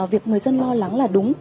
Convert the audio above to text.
việc người dân lo lắng là đúng